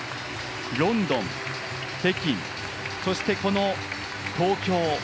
ロンドン、北京そして、この東京。